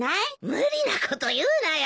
無理なこと言うなよ。